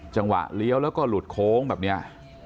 จังหวะเลี้ยวแล้วก็หลุดโค้งแบบนี้